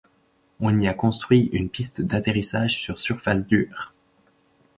On y a construit une piste d'atterrissage sur surface dure.